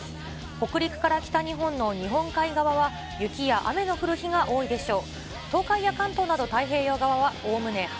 北陸から北日本の日本海側は雪や雨の降る日が多いでしょう。